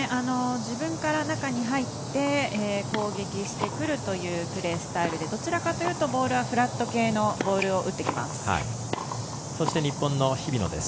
自分から中に入って攻撃してくるというプレースタイルでどちらかというとボールはフラット系のボールを打ってきます。